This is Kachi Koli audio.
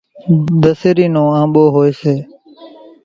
ڌسيرِي نو آنٻو هوئيَ سي۔